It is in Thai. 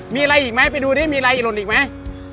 มีอะไรอีกไหมไปดูดิมีอะไรอิหล่นอีกไหม